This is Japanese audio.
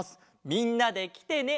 みんなできてね！」